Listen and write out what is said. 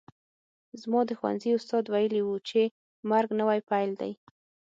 زما د ښوونځي استاد ویلي وو چې مرګ نوی پیل دی